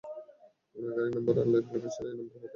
আপনার গাড়ীর নাম্বার আর লাইভ লোকেশন এই নম্বরে পাঠিয়ে দেন।